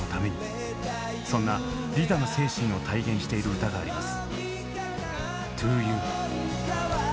そんな利他の精神を体現している歌があります。